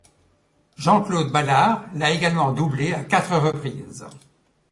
Jean-Claude Balard l'a également doublé à quatre reprises.